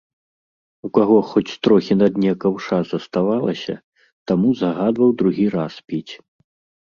У каго хоць трохі на дне каўша заставалася, таму загадваў другі раз піць.